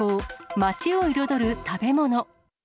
街を彩る食べ物。